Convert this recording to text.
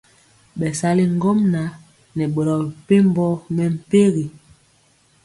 Bɛsali ŋgomnaŋ nɛ boro mepempɔ mɛmpegi.